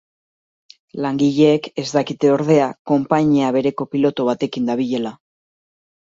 Langileek ez dakite ordea, konpainia bereko piloto batekin dabilela.